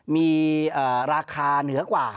มีราคาเหนือกว่า